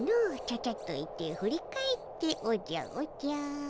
「ちゃちゃっと行って振り返っておじゃおじゃ」